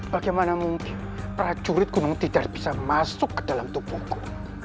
bagaimana mungkin prajurit gunung tidak bisa masuk ke dalam tubuhku